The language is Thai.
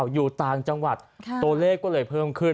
อยู่ต่างจังหวัดตัวเลขก็เลยเพิ่มขึ้น